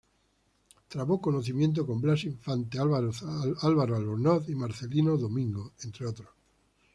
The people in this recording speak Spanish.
Trabó conocimiento con Blas Infante, Álvaro Albornoz y Marcelino Domingo, entre otros.